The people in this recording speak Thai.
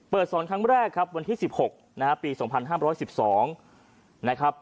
สอนครั้งแรกครับวันที่๑๖นะฮะปี๒๕๑๒นะครับ